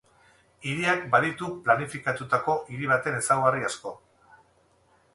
Hiriak baditu planifikatutako hiri baten ezaugarri asko.